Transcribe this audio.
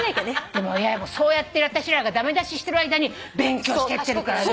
でもそうやって私らが駄目出ししてる間に勉強してってるから。